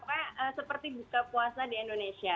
pokoknya seperti buka puasa di indonesia